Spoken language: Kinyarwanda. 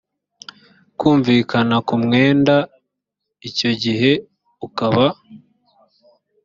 kumvikana ku mwenda icyo gihe ukaba